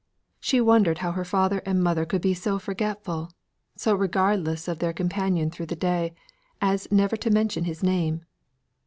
She wondered how her father and mother could be so forgetful, so regardless of their companion through the day, as never to mention his name.